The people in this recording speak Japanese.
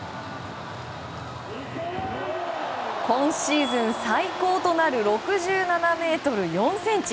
今シーズン最高となる６７ｍ４ｃｍ！